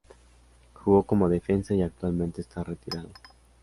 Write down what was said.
Jugó como defensa y actualmente está retirado.